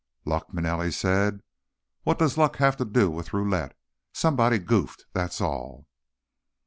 "Luck?" Manelli said. "What does luck have to do with roulette? Somebody goofed, that's all."